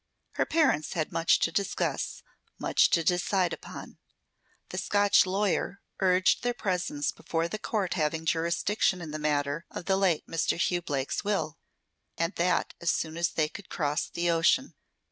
Her parents had much to discuss, much to decide upon. The Scotch lawyer urged their presence before the court having jurisdiction in the matter of the late Mr. Hugh Blake's will, and that as soon as they could cross the ocean.